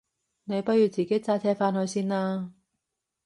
你不如自己揸車返去先啦？